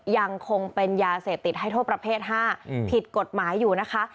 ยังคงเป็นยาเสพติดให้โทษประเภท๕ผิดกฎหมายอยู่นะคะ